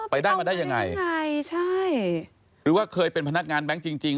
ไปได้มาได้ยังไงใช่ใช่หรือว่าเคยเป็นพนักงานแบงค์จริงจริง